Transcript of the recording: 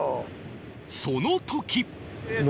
その時